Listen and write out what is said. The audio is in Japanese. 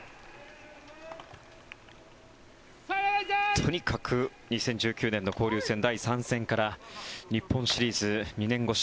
とにかく２０１９年の交流戦第３戦から日本シリーズ２年越し。